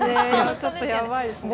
ちょっとやばいですね。